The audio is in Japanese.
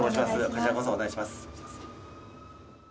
こちらこそお願いします。